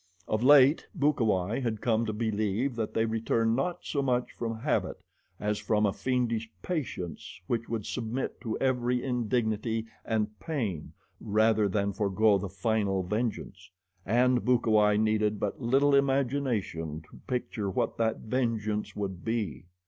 Of late Bukawai had come to believe that they returned not so much from habit as from a fiendish patience which would submit to every indignity and pain rather than forego the final vengeance, and Bukawai needed but little imagination to picture what that vengeance would be.